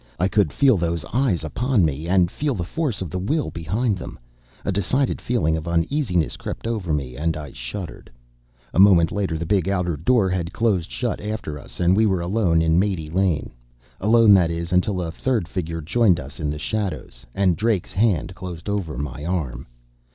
I could feel those eyes upon me, and feel the force of the will behind them. A decided feeling of uneasiness crept over me, and I shuddered. A moment later the big outer door had closed shut after us, and we were alone in Mate Lane. Alone, that is, until a third figure joined us in the shadows, and Drake's hand closed over my arm.